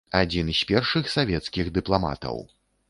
Адзін з першых савецкіх дыпламатаў.